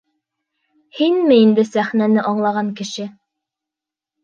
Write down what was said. Һинме инде сәхнәне аңлаған кеше!